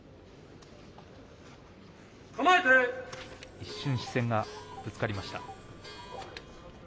一瞬視線がぶつかりました。